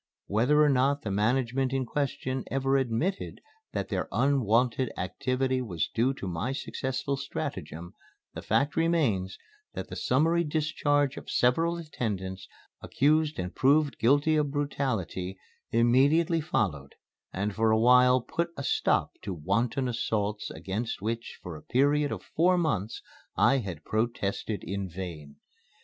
Whether or not the management in question ever admitted that their unwonted activity was due to my successful stratagem, the fact remains that the summary discharge of several attendants accused and proved guilty of brutality immediately followed and for a while put a stop to wanton assaults against which for a period of four months I had protested in vain.